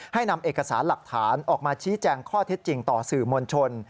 นำเอกสารหลักฐานออกมาชี้แจงข้อเท็จจริงต่อสื่อมวลชน